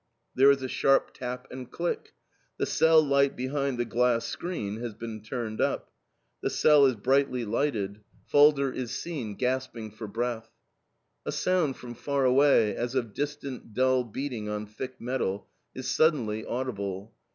There is a sharp tap and click; the cell light behind the glass screen has been turned up. The cell is brightly lighted. Falder is seen gasping for breath. A sound from far away, as of distant, dull beating on thick metal, is suddenly audible.